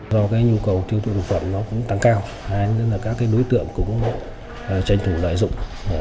do nhu cầu tiêu thụ thực phẩm tăng cao các đối tượng cũng tranh thủ lợi dụng